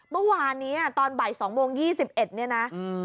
เมื่อวานนี้ตอนบ่าย๒โมง๒๑เนี่ยนะ